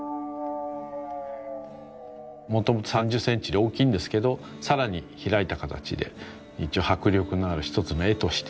もともと３０センチで大きいんですけどさらに開いた形で一応迫力のある一つの絵として。